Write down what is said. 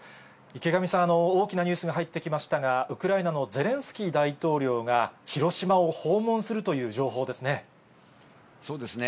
池上さん、大きなニュースが入ってきましたが、ウクライナのゼレンスキー大統領が、広島を訪問すそうですね。